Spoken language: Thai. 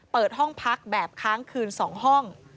เปิดห้องพักแบบค้างคืน๒ห้อง